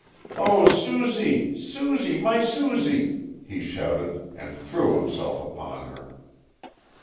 "Oh! Susie! Susie! My Susie!" he shouted and threw himself upon her.